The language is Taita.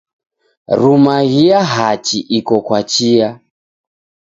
Rumaghia hachi iko kwa chia